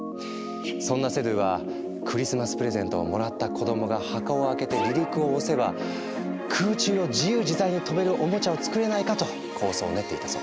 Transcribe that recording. そんなセドゥは「クリスマスプレゼントをもらった子供が箱を開けて離陸を押せば空中を自由自在に飛べるおもちゃを作れないか」と構想を練っていたそう。